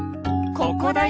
ここだよ